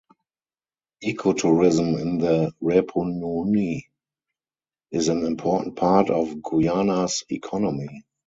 Eco-tourism in the Rupununi is an important part of Guyana's economy.